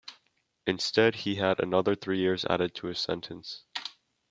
Instead, he had another three years added to his sentence.